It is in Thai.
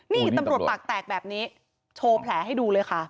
นี่ตำรวจปากแตกแบบนี้โชว์แผลให้ดูเลยค่ะ